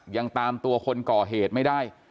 ยังตามตัวคนก่อเหตุไม่ได้